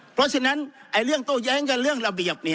เพราะฉะนั้นเรื่องโต้แย้งกันเรื่องระเบียบ